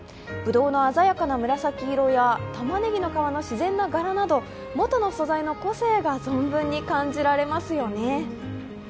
ぶどうの鮮やかな紫色や、玉ねぎの皮の自然な柄など元の素材の個性が存分に感じられますよね。